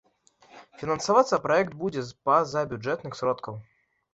Фінансавацца праект будзе з пазабюджэтных сродкаў.